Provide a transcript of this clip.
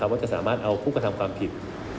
ว่าจะสามารถเอาผู้กระทำความผิด